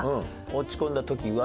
落ち込んだ時は。